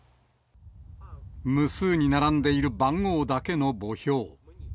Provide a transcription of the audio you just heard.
無数に並んでいる番号だけの墓標。